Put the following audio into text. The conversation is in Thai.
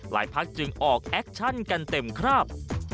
พักจึงออกแอคชั่นกันเต็มคราบ